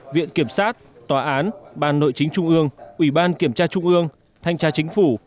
viện kiểm sát tòa án ban nội chính trung ương ủy ban kiểm tra trung ương thanh tra chính phủ